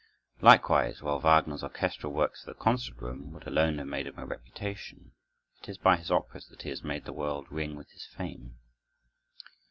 Likewise, while Wagner's orchestral works for the concert room would alone have made him a reputation, it is by his operas that he has made the world ring with his fame.